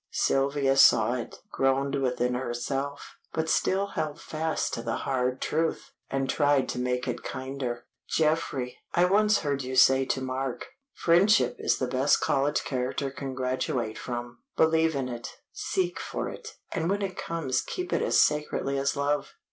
Sylvia saw it, groaned within herself, but still held fast to the hard truth, and tried to make it kinder. "Geoffrey, I once heard you say to Mark, 'Friendship is the best college character can graduate from. Believe in it, seek for it, and when it comes keep it as sacredly as love.'